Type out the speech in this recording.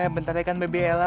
bentar ya kan bebe ella